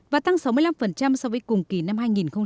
và tăng sáu mươi năm so với cùng kỳ năm hai nghìn một mươi tám